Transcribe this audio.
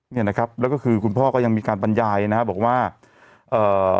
เนี่ยนะครับแล้วก็คือคุณพ่อก็ยังมีการบรรยายนะฮะบอกว่าเอ่อ